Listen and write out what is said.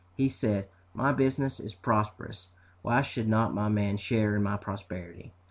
He said, 'My business is prosperous; why should not my men share in my prosperity?'